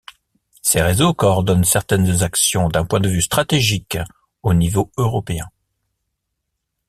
Ses réseaux coordonnent certaines actions d'un point de vue stratégique, au niveau européen.